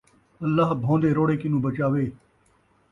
اللہ بھوندے روڑے کنوں بچاوے